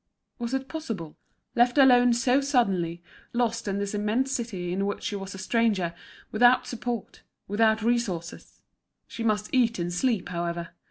Was it possible? Left alone so suddenly, lost in this immense city in which she was a stranger, without support, without resources. She must eat and sleep, however.